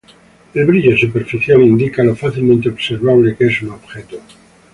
El brillo superficial indica lo fácilmente observable que es un objeto.